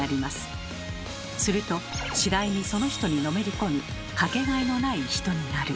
すると次第にその人にのめり込みかけがえのない人になる。